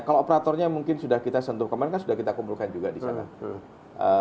kalau operatornya mungkin sudah kita sentuh kemarin kan sudah kita kumpulkan juga di sana